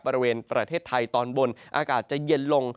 บริเวณประเทศไทยตอนบนอากาศจะเย็นลง